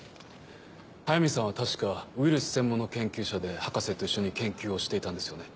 速水さんは確かウイルス専門の研究所で博士と一緒に研究をしていたんですよね？